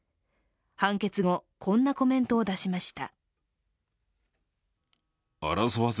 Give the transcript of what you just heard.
判決後、こんなコメントを出しました。